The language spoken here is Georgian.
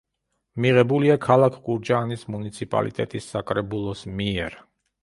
მიღებულია ქალაქ გურჯაანის მუნიციპალიტეტის საკრებულოს მიერ.